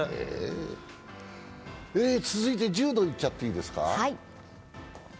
続いて、柔道いっちゃっていいですか。